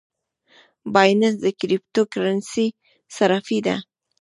بایننس د کریپټو کرنسۍ صرافي ده